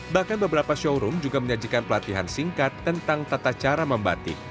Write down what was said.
bahkan beberapa showroom juga menyajikan pelatihan singkat tentang tata cara membatik